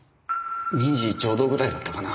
２時ちょうどぐらいだったかな。